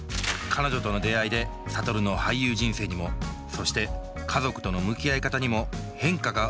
彼女との出会いで諭の俳優人生にもそして家族との向き合い方にも変化が訪れるようになります。